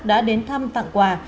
đã đến thăm phạm quà